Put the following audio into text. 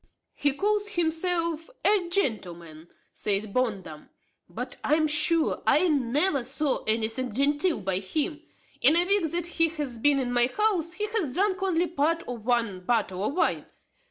"He calls himself a gentleman," said Bondum; "but I am sure I never saw anything genteel by him. In a week that he hath been in my house he hath drank only part of one bottle of wine.